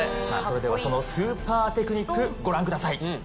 さあそれではそのスーパーテクニックご覧ください。